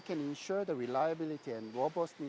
kami bisa memastikan keberdayaan dan keberatangan mesin